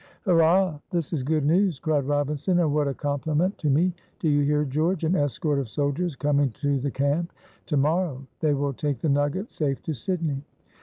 "Hurrah! this is good news," cried Robinson, "and what a compliment to me. Do you hear, George? an escort of soldiers coming to the camp to morrow; they will take the nugget safe to Sydney."